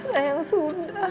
udah sayang sudah